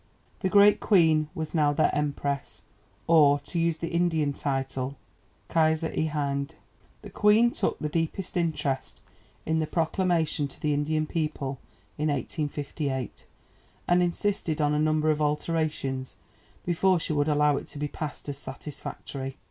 The great Queen was now their Empress, or, to use the Indian title, 'Kaiser i Hind.' The Queen took the deepest interest in the Proclamation to the Indian people in 1858, and insisted on a number of alterations before she would allow it to be passed as satisfactory.